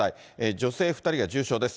女性２人が重傷です。